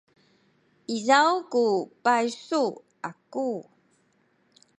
izaw ku paysu aku.